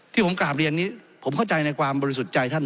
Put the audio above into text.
ที่ผมกราบเรียนนี้ผมเข้าใจในความบริสุทธิ์ใจท่าน